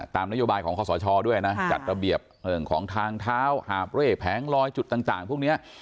ตามนโยบายของข้อสชด้วยนะจัดระเบียบเรื่องของทางเท้าหาบเร่แผงลอยจุดต่างพวกนี้